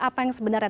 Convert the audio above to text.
apa yang sebenarnya